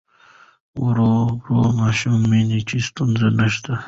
ورو ورو ماشوم مني چې ستونزه نشته.